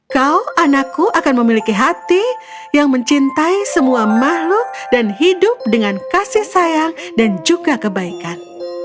kau anakku akan memiliki hati yang mencintai semua makhluk dan hidup dengan kasih sayang dan juga kebaikan